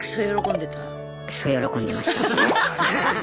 クソ喜んでました。